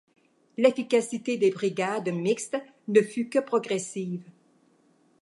L'efficacité des brigades mixtes ne fut que progressive.